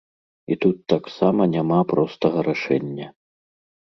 І тут таксама няма простага рашэння!